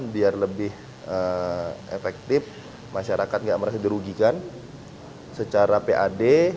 biar lebih efektif masyarakat nggak merasa dirugikan secara pad